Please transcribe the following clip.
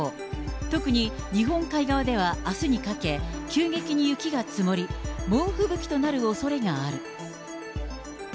特に日本海側ではあすにかけ、急激に雪が積もり、猛吹雪となるおそれがある。